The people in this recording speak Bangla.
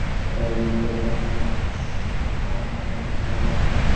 এই দিনটাই তোমার জীবনের অবশিষ্ট ক্ষণ হয়ে যেতে পারে।